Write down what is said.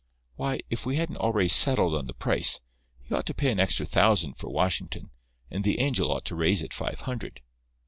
Why, if we hadn't already settled on the price, he ought to pay an extra thousand for Washington, and the angel ought to raise it five hundred."